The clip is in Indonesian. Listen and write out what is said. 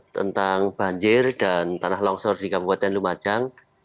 tentang banjir dan tanah longsor di kabupaten lumajang